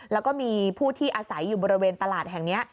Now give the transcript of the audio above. แล้วก็มีผู้ที่อาศัยอยู่บริเวณตลาดแห่งนี้